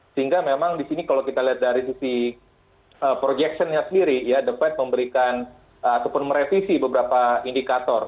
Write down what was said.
sehingga memang di sini kalau kita lihat dari sisi projection nya sendiri ya the fed memberikan ataupun merevisi beberapa indikator